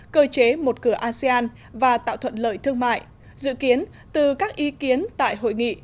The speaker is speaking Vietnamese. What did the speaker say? cơ chế một cửa asean và tạo thuận lợi thương mại dự kiến từ các ý kiến tại hội nghị